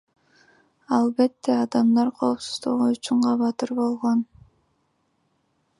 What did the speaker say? Албетте, адамдар коопсуздугу үчүн кабатыр болгон.